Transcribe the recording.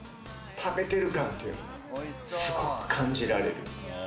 食べてる感っていうのが、すごく感じられる。